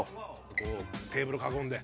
こうテーブル囲んで。